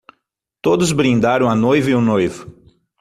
Todos brindaram a noiva e o noivo.